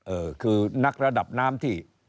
เออคือนักระดับน้ำที่